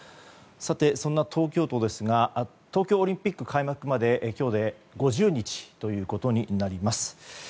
そんな東京都ですが東京オリンピック開幕まで今日で５０日ということになります。